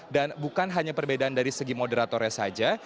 dan bukan hanya perbedaan dari segi moderatornya saja